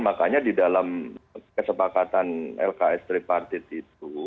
makanya di dalam kesepakatan lks tripartit itu